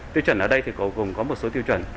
tiêu chuẩn ở đây thì gồm có một số tiêu chuẩn